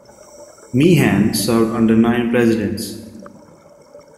Meehan served under nine presidents.